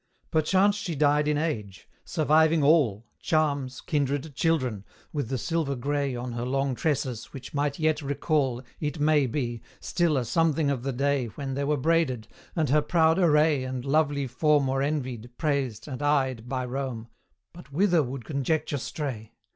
Perchance she died in age surviving all, Charms, kindred, children with the silver grey On her long tresses, which might yet recall, It may be, still a something of the day When they were braided, and her proud array And lovely form were envied, praised, and eyed By Rome But whither would Conjecture stray?